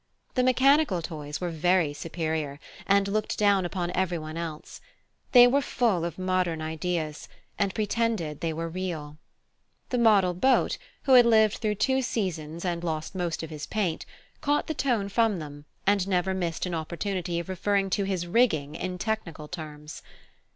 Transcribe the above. The mechanical toys were very superior, and looked down upon every one else; they were full of modern ideas, and pretended they were real. The model boat, who had lived through two seasons and lost most of his paint, caught the tone from them and never missed an opportunity of referring to his rigging in technical terms.